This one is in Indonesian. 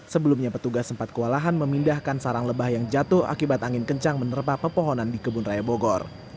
sebelumnya petugas sempat kewalahan memindahkan sarang lebah yang jatuh akibat angin kencang menerpa pepohonan di kebun raya bogor